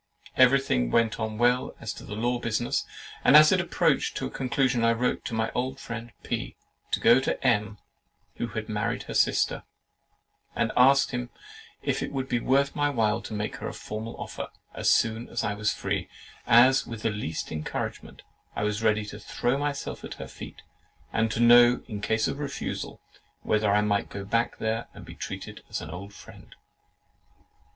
Everything went on well as to the law business; and as it approached to a conclusion, I wrote to my good friend P—— to go to M——, who had married her sister, and ask him if it would be worth my while to make her a formal offer, as soon as I was free, as, with the least encouragement, I was ready to throw myself at her feet; and to know, in case of refusal, whether I might go back there and be treated as an old friend.